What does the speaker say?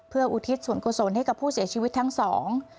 เพื่ออุทิศส่วนกุศลให้กับผู้เสียชีวิตทั้งสอง